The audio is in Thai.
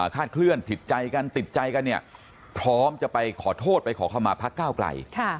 คาดเคลื่อนผิดใจกันติดใจกันพร้อมจะไปขอโทษไปขอเข้ามาพรรคก้าวกล่ายค่ะ